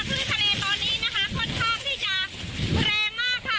ขึ้นทะเลตอนนี้นะคะค่อนข้างที่จะแรงมากค่ะ